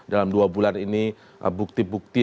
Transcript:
dalam dua bulan ini bukti bukti